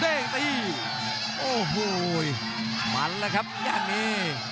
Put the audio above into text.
เลขตีโอ้โหมันแล้วครับย่านนี้